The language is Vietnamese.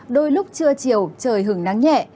đôi lúc trưa chiều trời hứng nắng nhẹ